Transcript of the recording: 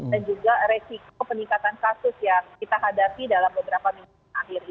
dan juga resiko peningkatan kasus yang kita hadapi dalam beberapa minggu terakhir ini